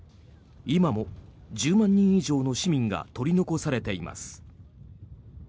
今も１０万人以上の市民が取り残されています。